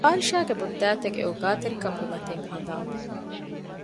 ފާރިޝާގެ ބޮޑުދައިތަގެ އޯގާތެރިކަމުގެ މަތީން ހަނދާންވި